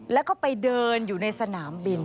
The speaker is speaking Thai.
แล้วก็ไปเดินอยู่ในสนามบิน